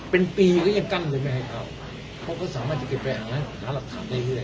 เป็นปีก็ยังกั้นเลยไม่ให้เข้าเขาก็สามารถจะเก็บไปหาหลักฐานได้เรื่อย